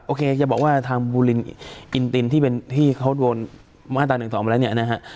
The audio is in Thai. โอเคจะบอกว่าทางบูลินอินตินที่เป็นที่เขาโดนมาตรา๑๒มาแล้วเนี่ยนะฮะ